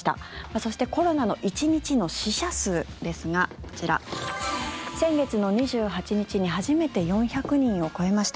そして、コロナの１日の死者数ですがこちら、先月の２８日に初めて４００人を超えました。